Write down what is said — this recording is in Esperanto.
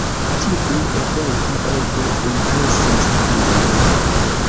Tiu evento ege impresis lin.